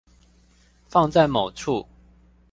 放在某處